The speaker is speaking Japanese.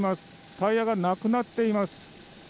タイヤがなくなっています。